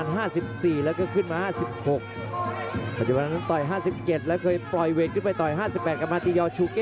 หายขวางแล้วตี